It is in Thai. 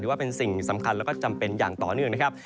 ว่าเป็นสิ่งสำคัญแล้วก็จำเป็นอย่างต่อเนื่องนะครับ